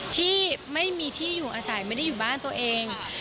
ที่ไม่มีที่อยู่อาศัยไม่ได้อยู่บ้านตัวเอง